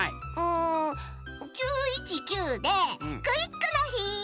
ん９１９でクイックのひ！